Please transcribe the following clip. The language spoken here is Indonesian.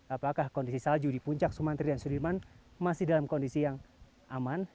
apakah kondisi salju di puncak sumantri dan sudirman masih dalam kondisi yang aman